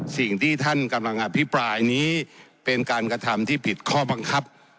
สิ่งที่ท่านกำลังอภิปรายนี้เป็นการกระทำที่ผิดข้อบังคับ